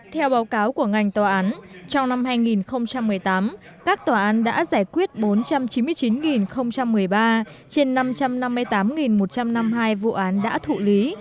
theo báo cáo của ngành tòa án trong năm hai nghìn một mươi tám các tòa án đã giải quyết bốn trăm chín mươi chín một mươi ba trên năm trăm năm mươi tám một trăm năm mươi hai vụ án đã thụ lý